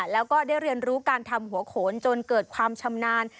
แล้วก็ได้เรียนรู้การทำหัวโขนจนเกิดความชำนาญ